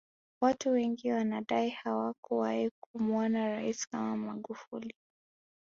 Watu wengi wanadai hawakuwahi kumuona rais kama magufuli